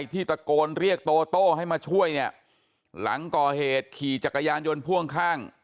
ที่ตะโกนเรียกโตโต้ให้มาช่วยเนี่ยหลังก่อเหตุขี่จักรยานยนต์พ่วงข้าง